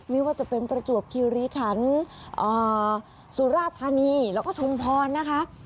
ไม่ว่าจะเป็นประจวบคิวรีคันสุราธานีแล้วก็ชุมพรนะคะ